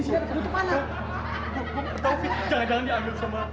jangan jangan diambil sama